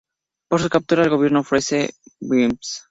Por su captura el gobierno ofrece Bs.